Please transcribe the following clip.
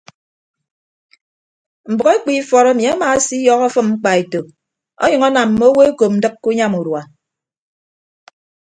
Mbʌk ekpu ifọt emi amaasiyọhọ afịm mkpaeto ọnyʌñ anam mme owo ekop ndịk ke unyam urua.